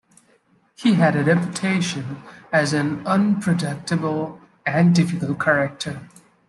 He had a reputation as an unpredictable and difficult character.